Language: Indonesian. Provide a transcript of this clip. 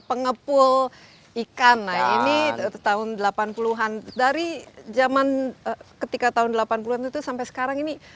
pengepul ikan nah ini tahun delapan puluh an dari zaman ketika tahun delapan puluh an itu sampai sekarang ini